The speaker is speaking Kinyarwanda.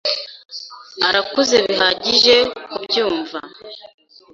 Arakuze bihagije kubyumva.